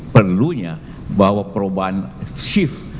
perlunya bahwa perubahan shift